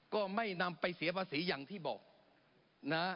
ก็ไม่นำไปเสียภาษีอย่างที่บอกนะ